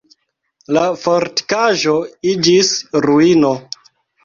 La fortikaĵo iĝis ruino.